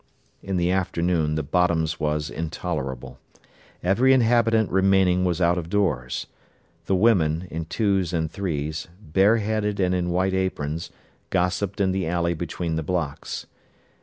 In the afternoon the Bottoms was intolerable. Every inhabitant remaining was out of doors. The women, in twos and threes, bareheaded and in white aprons, gossiped in the alley between the blocks.